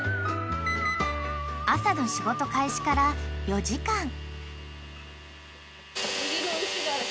［朝の仕事開始から４時間］